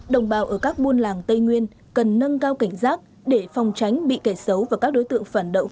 đồng bào ở các buôn làng tây nguyên cần nâng cao cảnh giác để phòng tránh bị kẻ xấu và các đối tượng phản động